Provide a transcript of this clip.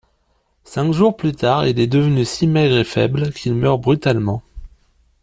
Cinq jours plus tard il est devenu si maigre et faible qu'il meurt brutalement.